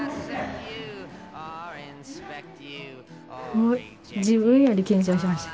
もう自分より緊張してました。